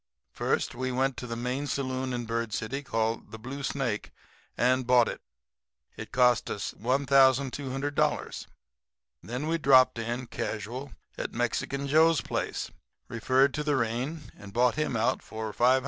"First we went to the main saloon in Bird City, called the Blue Snake, and bought it. It cost us $1,200. And then we dropped in, casual, at Mexican Joe's place, referred to the rain, and bought him out for $500.